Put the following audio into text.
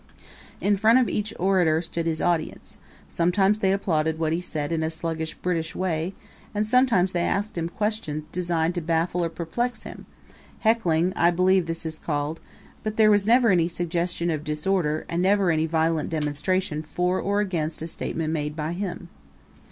In front of each orator stood his audience; sometimes they applauded what he said in a sluggish British way, and sometimes they asked him questions designed to baffle or perplex him heckling, I believe this is called but there was never any suggestion of disorder and never any violent demonstration for or against a statement made by him.